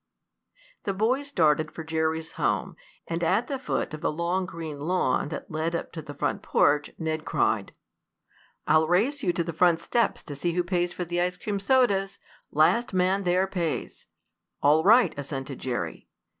The boys started for Jerry's home, and at the foot of the long, green lawn that led up to the front porch Ned cried: "I'll race you to the front steps to see who pays for the ice cream sodas. Last man there pays!" "All right!" assented Jerry.